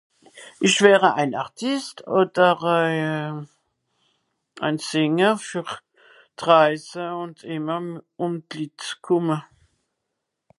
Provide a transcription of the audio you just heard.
isch wäre ein Artiste òder euh à Sìnger ver d'Raise ùnd ìmmer ùm d'Lìt kòmme